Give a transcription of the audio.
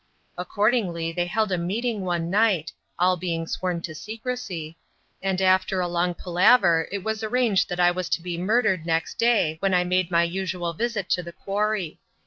Accordingly they held a meeting one night, all being sworn to secrecy, and after a long palaver it was arranged that I was to be murdered next day when I made my usual visit to the quarry.